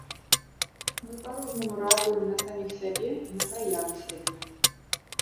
Мы па-рознаму рэагуем на саміх сябе і на праявы сябе.